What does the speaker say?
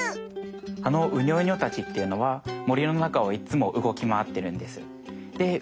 あのウニョウニョたちっていうのは森の中をいっつも動きまわってるんです。